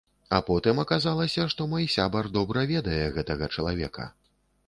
А потым аказалася, што мой сябар добра ведае гэтага чалавека.